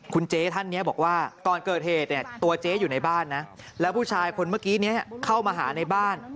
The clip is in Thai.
คุณเจ๊ท่านนี้บอกว่าก่อนเกิดเหตุเนี่ยตัวเจ๊อยู่ในบ้านนะแล้วผู้ชายคนเมื่อกี้นี้เข้ามาหาในบ้าน